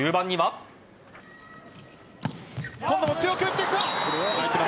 今度も強く打ってきた。